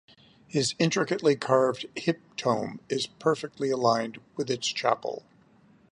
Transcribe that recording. His intricately carved hip tomb is perfectly aligned with its chapel.